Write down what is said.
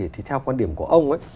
thì theo quan điểm của ông ấy